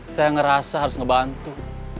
saya ngerasa harus ngebantu